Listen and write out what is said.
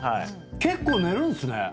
結構寝るんすね。